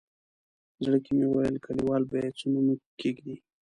زړه کې مې ویل کلیوال به یې څه نوم کېږدي.